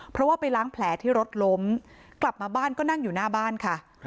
เพราะว่าไปล้างแผลที่รถล้มกลับมาบ้านก็นั่งอยู่หน้าบ้านค่ะ